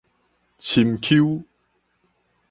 深丘